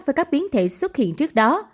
với các biến thể xuất hiện trước đó